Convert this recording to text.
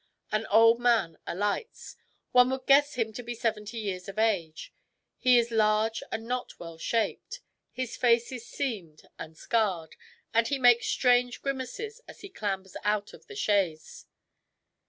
An old man alights. One would guess him to be seventy years of age. He is large and not well shaped. His face is seamed and scarred, and he makes strange grimaces as he clambers out of the chaise.